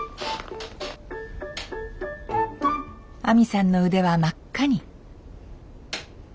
亜実さんの腕は真っ赤に。